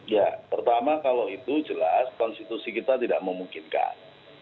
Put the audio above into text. ya pertama kalau itu jelas konstitusi kita tidak memungkinkan